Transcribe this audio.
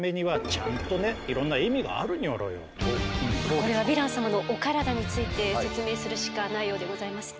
これはヴィラン様のお体について説明するしかないようでございますね。